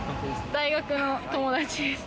大学の友達です。